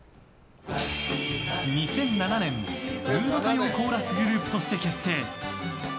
２００７年、ムード歌謡コーラスグループとして結成。